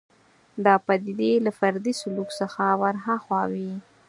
دا پدیدې له فردي سلوک څخه ورهاخوا وي